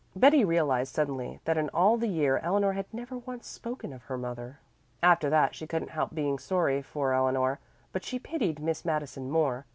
Betty realized suddenly that in all the year Eleanor had never once spoken of her mother. After that she couldn't help being sorry for Eleanor, but she pitied Miss Madison more.